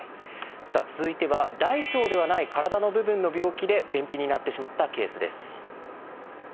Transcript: さあ続いては大腸ではない体の部分の病気で便秘になってしまったケースです。